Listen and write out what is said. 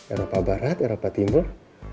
eropa barat eropa timur